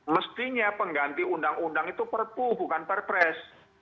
mestinya pengganti undang undang itu perpu bukan perpres